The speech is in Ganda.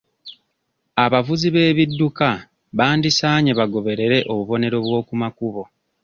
Abavuzi b'ebidduka bandisaanye bagoberere obubonero bw'okumakubo.